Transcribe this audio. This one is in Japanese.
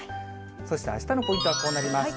そしてあしたのポイントはこうなります。